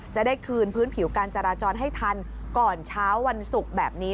จะได้คืนพื้นผิวการจราจรให้ทันก่อนเช้าวันศุกร์แบบนี้